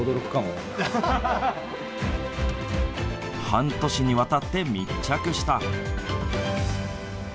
半年にわたって密着した。